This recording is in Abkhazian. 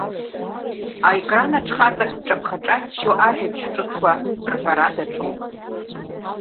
Аекранаҿ хаҵак дҿаԥхаҿаччо ажәабжь ҿыцқәа рҳәара даҿуп.